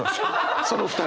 その２人は。